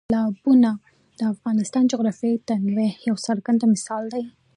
سیلابونه د افغانستان د جغرافیوي تنوع یو څرګند مثال دی.